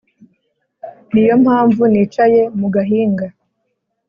ni yo mpamvu nicaye mu gahinga